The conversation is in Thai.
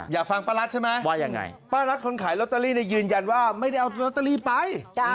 อยากฟังป้ารัสใช่ไหมว่ายังไงป้ารัฐคนขายลอตเตอรี่ยืนยันว่าไม่ได้เอาลอตเตอรี่ไป